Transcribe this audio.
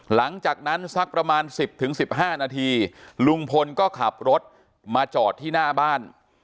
หลังจากนั้นสักประมาณ๑๐๑๕นาทีลุงพลก็ขับรถมาจอดที่หน้าบ้าน